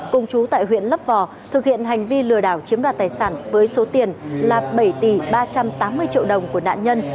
cùng chú tại huyện lấp vò thực hiện hành vi lừa đảo chiếm đoạt tài sản với số tiền là bảy tỷ ba trăm tám mươi triệu đồng của nạn nhân